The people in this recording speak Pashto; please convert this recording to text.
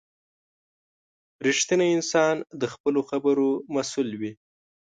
• رښتینی انسان د خپلو خبرو مسؤل وي.